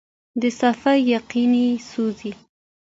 د سفر یقین یې سوزي